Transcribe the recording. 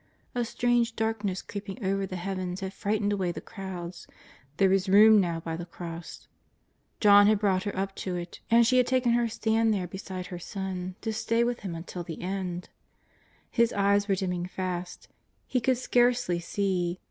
A strange darkness creeping over the heavens had frightened away the crowds; there was room now by the cross; John had brought her up to it, and she had taken her stand there beside her Son to stay with Him until the end. His eyes were dim ming fast. He could scarcely see.